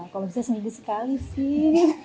kalau bisa sendiri sekali sih